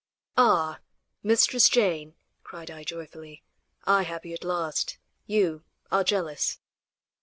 "Ah! Mistress Jane!" cried I joyfully; "I have you at last; you are jealous."